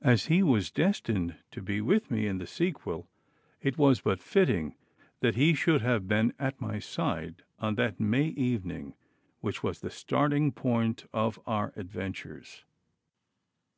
As he was destined to be with me in the sequel, it was but fitting that he should have been at my side on that May evening which was the starting point of our adventures.